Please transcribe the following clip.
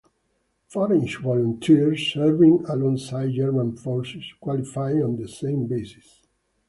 Foreign volunteers serving alongside German forces qualified on the same basis.